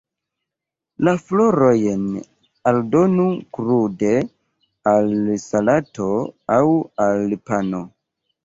La florojn aldonu krude al salato aŭ al pano.